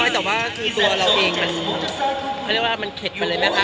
แต่ว่าคือตัวเราเองมันเข็ดไปเลยไหมคะ